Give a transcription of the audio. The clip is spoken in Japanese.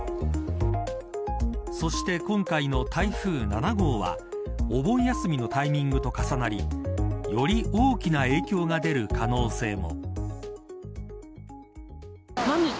そして、今回の台風７号はお盆休みのタイミングと重なりより大きな影響が出る可能性も。